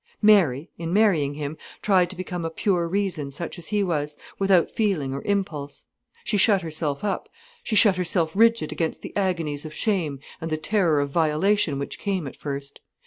Mary, in marrying him, tried to become a pure reason such as he was, without feeling or impulse. She shut herself up, she shut herself rigid against the agonies of shame and the terror of violation which came at first.